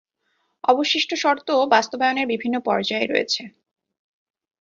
অবশিষ্ট শর্তও বাস্তবায়নের বিভিন্ন পর্যায়ে রয়েছে।